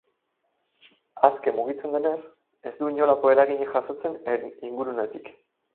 Aske mugitzen denez, ez du inolako eraginik jasotzen ingurunetik.